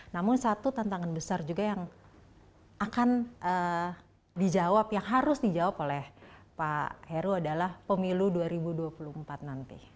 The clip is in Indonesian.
namun satu tantangan besar juga yang akan dijawab yang harus dijawab oleh pak heru adalah pemilu dua ribu dua puluh empat nanti